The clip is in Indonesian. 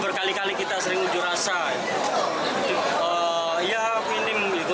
berkali kali kita sering menjuraskan